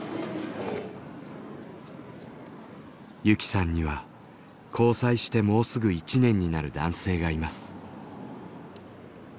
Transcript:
ゆきさんには交際してもうすぐ１年になる男性がいます。